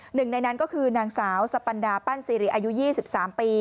หนึ่งในนั้นก็คือนางสาวสปันดาปั้นซีรีอายุ๒๓ปี